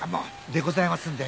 でございますんで。